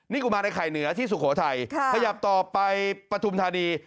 นี่กุมารไอไข่เหนือที่สุโขทัยขยับต่อไปปฐุมธานี